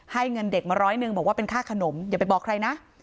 เงินเด็กมาร้อยหนึ่งบอกว่าเป็นค่าขนมอย่าไปบอกใครนะ